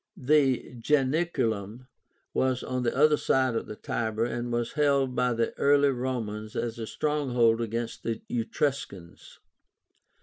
The Janiculum was on the other side of the Tiber, and was held by the early Romans as a stronghold against the Etruscans.